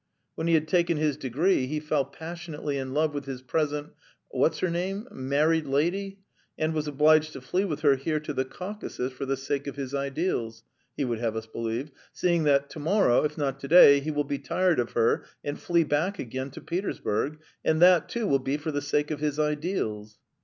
When he had taken his degree, he fell passionately in love with his present ... what's her name? ... married lady, and was obliged to flee with her here to the Caucasus for the sake of his ideals, he would have us believe, seeing that ... to morrow, if not to day, he will be tired of her and flee back again to Petersburg, and that, too, will be for the sake of his ideals."